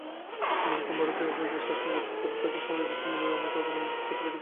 American ও ভারতীয় উভয় দেশের সংবাদপত্রগুলি হইতে স্বামীজী সম্বন্ধে তথ্য অবলম্বনে পুস্তিকাটি লিখিত।